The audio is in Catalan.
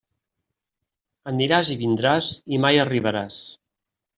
Aniràs i vindràs i mai arribaràs.